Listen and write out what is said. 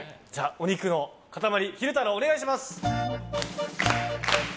お肉の塊、昼太郎お願いします。